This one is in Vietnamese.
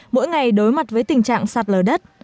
mỗi ngày đối mặt với tình trạng sạt lở đất